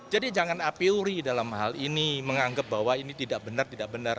jadi jangan apiuri dalam hal ini menganggap bahwa ini tidak benar tidak benar